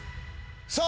さあ